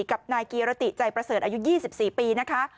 กับนายกีรติใจประเสริฐอายุ๒๔ปีนะคะ